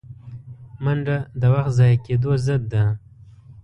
منډه د وخت ضایع کېدو ضد ده